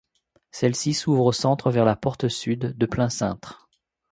Celui-ci s'ouvre au centre vers la porte sud, de plein cintre.